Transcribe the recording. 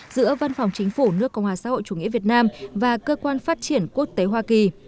giữa văn phòng chính phủ nước cộng hòa xã hội chủ nghĩa việt nam và cơ quan phát triển quốc tế hoa kỳ